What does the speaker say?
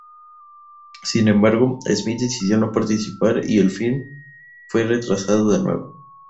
Sin embargo Smith decidió no participar y el film fue retrasado de nuevo.